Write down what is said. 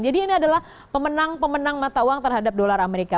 jadi ini adalah pemenang pemenang mata uang terhadap dolar amerika